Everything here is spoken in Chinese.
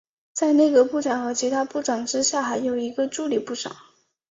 在内阁部长和其他部长之下还有助理部长。